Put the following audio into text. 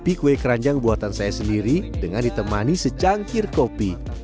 tapi kue keranjang buatan saya sendiri dengan ditemani secangkir kopi